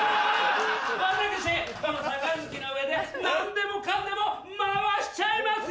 私この杯の上で何でもかんでも回しちゃいますよ！